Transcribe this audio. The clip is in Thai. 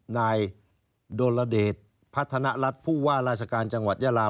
นายโดรเดชพัฒนรัฐผู้ว่าราชการจังหวัดยาลา